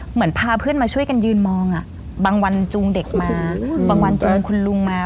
เหมือนพาเพื่อนมาช่วยกันยืนมองบางวันจูงเด็กมาบางวันจูงคุณลุงมา